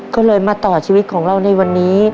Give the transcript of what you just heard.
ก็เลยมาต่อชีวิตของเราในวันนี้